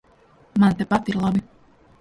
Man tepat ir labi.